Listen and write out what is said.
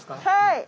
はい。